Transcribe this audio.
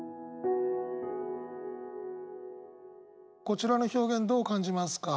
こちらの表現どう感じますか？